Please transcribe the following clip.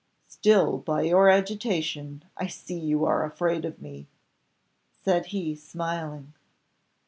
"Still by your agitation I see you are afraid of me," said he, smiling.